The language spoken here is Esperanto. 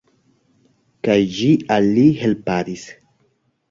Kaj ĝi al li helpadis.